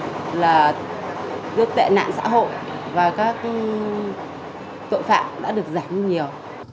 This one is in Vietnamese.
đặc biệt là giữa tệ nạn xã hội và các tội phạm đã được giảm nhiều